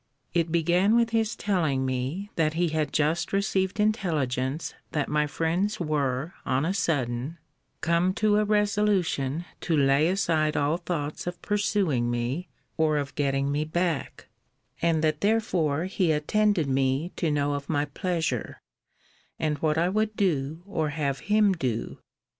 It began with his telling me, that he had just received intelligence that my friends were on a sudden come to a resolution to lay aside all thoughts of pursuing me, or of getting me back: and that therefore he attended me to know of my pleasure; and what I would do, or have him do?